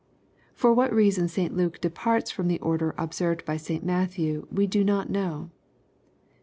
^ For what rea^n St Luke departs firom the order observed by 8t Matthew we do not know.